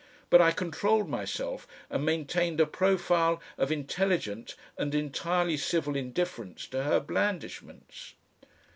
But I controlled myself and maintained a profile of intelligent and entirely civil indifference to her blandishments.